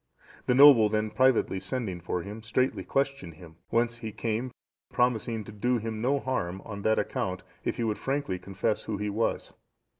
The noble then privately sending for him, straitly questioned him, whence he came, promising to do him no harm on that account if he would frankly confess who he was.